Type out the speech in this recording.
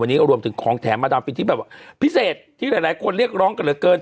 วันนี้รวมถึงของแถมมาดามฟินที่แบบว่าพิเศษที่หลายคนเรียกร้องกันเหลือเกิน